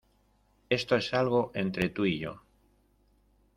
Esto es algo entre tú y yo.